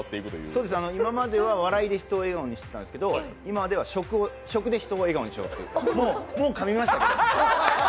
そうです、今までは笑いで人の笑顔を誘いましたけど今では食で人を笑顔にしようともう、かかみましたので。